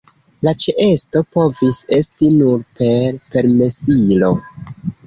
La ĉeesto povis esti nur per permesilo.